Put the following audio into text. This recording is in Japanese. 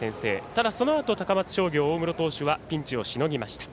ただそのあと高松商業の大室投手はピンチをしのぎました。